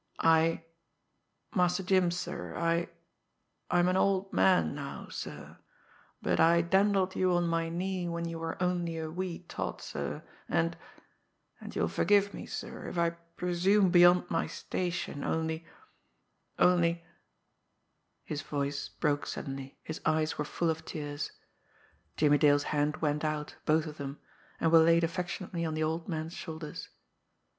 I Master Jim, sir I I am an old man now, sir, but I dandled you on my knee when you were only a wee tot, sir, and and you'll forgive me, sir, if I presume beyond my station, only only " His voice broke suddenly; his eyes were full of tears. Jimmie Dale's hand went out, both of them, and were laid affectionately on the old man's shoulders.